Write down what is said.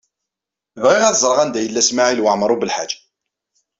Bɣiɣ ad ẓreɣ anda yella Smawil Waɛmaṛ U Belḥaǧ.